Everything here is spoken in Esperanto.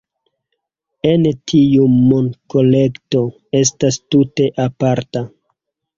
Ĉi tiu monkolekto estas tute aparta!